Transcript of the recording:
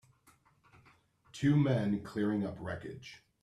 Two men clearing up wreckage.